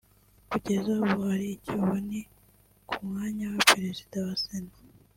Kugeza ubu ahari icyuho ni ku mwanya wa Perezida wa Sena